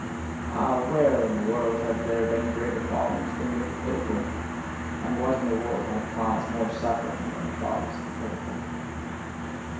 Ah, where in the world have there been greater follies than with the pitiful? And what in the world hath caused more suffering than the follies of the pitiful?